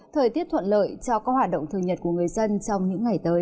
thời tiết thuận lợi cho các hoạt động thường nhật của người dân trong những ngày tới